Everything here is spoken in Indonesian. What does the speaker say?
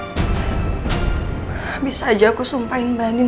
abis aja aku sumpahin mba andin